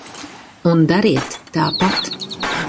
Un dariet tāpat!